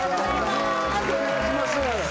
よろしくお願いします